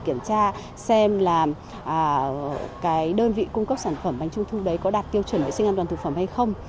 kiểm tra xem là cái đơn vị cung cấp sản phẩm bánh trung thu đấy có đạt tiêu chuẩn vệ sinh an toàn thực phẩm hay không